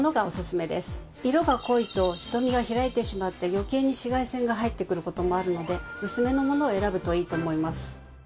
色が濃いと瞳が開いてしまって余計に紫外線が入ってくる事もあるので薄めのものを選ぶといいと思います。